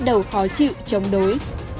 vui mừng vui